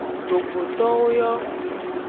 Dogbotowo yo.